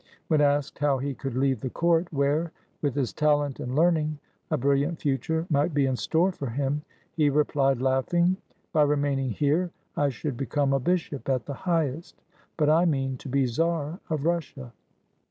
When asked how he could leave the court, where, with his talent and learn ing, a brilliant future might be in store for him, he re plied, laughing, "By remaining here I should become a bishop, at the highest; but I mean to be czar of Russia."